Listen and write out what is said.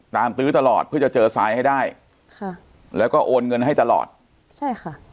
ตื้อตลอดเพื่อจะเจอทรายให้ได้ค่ะแล้วก็โอนเงินให้ตลอดใช่ค่ะ